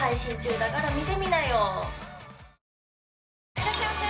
いらっしゃいませ！